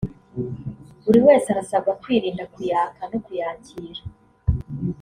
Buri wese arasabwa kwirinda kuyaka no kuyakira